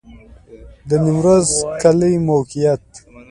د نیمروز کلی موقعیت